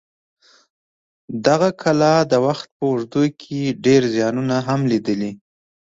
دغې کلا د وخت په اوږدو کې ډېر زیانونه هم لیدلي.